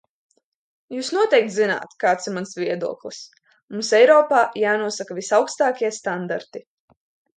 Jūs noteikti zināt, kāds ir mans viedoklis: mums Eiropā jānosaka visaugstākie standarti.